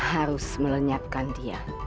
dia harus melenyapkan dia